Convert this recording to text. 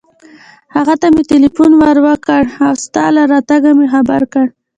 هغه ته مې ټېلېفون ور و کړ او ستا له راتګه مې خبر کړ.